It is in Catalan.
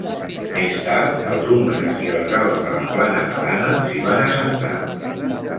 Més tard, els umbres i els gals de la Plana Padana s'hi van assentar.